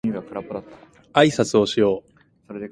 あいさつをしよう